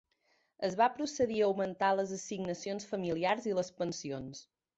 Es va procedir a augmentar les assignacions familiars i les pensions.